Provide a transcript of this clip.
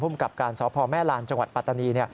กับการสพแม่ลานจังหวัดปัตตานี